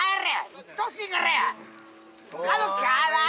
うっとうしいからや！